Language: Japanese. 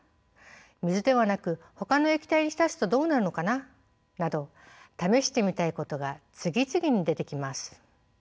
水ではなくほかの液体に浸すとどうなるのかな？など試してみたいことが次々に出てきます。